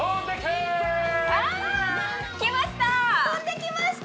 きました！